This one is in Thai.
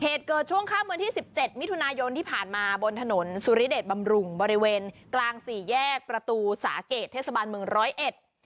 เหตุเกิดช่วงข้ามวันที่สิบเจ็ดมิถุนายนที่ผ่านมาบนถนนสุริเดชบำรุงบริเวณกลางสี่แยกประตูสาเกตเทศบาลเมืองร้อยเอ็ด